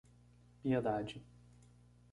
Piedade